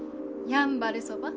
やんばるそば？